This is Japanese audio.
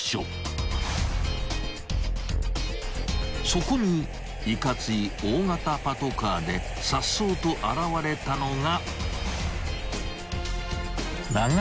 ［そこにいかつい大型パトカーでさっそうと現れたのが］